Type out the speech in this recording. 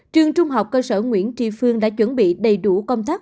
trường trung học cơ sở nguyễn tri phương đã chuẩn bị đầy đủ công tác